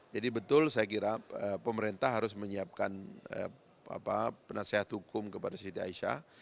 jadi betul saya kira pemerintah harus menyiapkan penasihat hukum kepada siti aisyah